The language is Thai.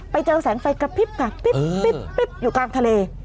ไปเจอแสงไฟกระพริบกระปิ๊บปิ๊บปิ๊บอยู่กลางทะเล